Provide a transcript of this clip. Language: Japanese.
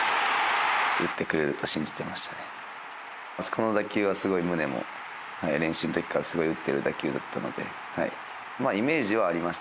この打球はすごいムネも練習の時からすごい打ってる打球だったので。